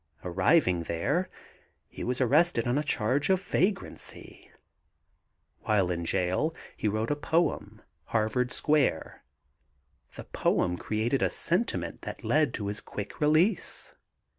Arriving there, he was arrested on a charge of vagrancy. While in jail, he wrote a poem, "Harvard Square." The poem created a sentiment that led to his quick release.